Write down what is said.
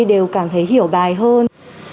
đều cảm thấy hiểu bài hơn